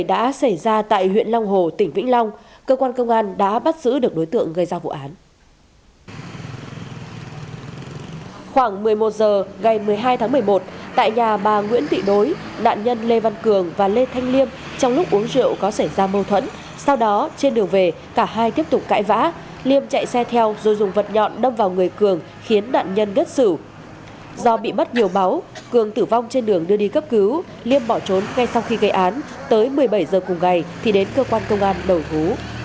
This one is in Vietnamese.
do bị mất nhiều báu cường tử vong trên đường đưa đi cấp cứu liêm bỏ trốn ngay sau khi gây án tới một mươi bảy h cùng ngày thì đến cơ quan công an đầu thú